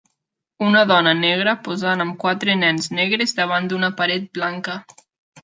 Una dona negra posant amb quatre nens negres davant d'una paret blanca.